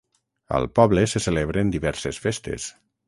Al poble se celebren diverses festes.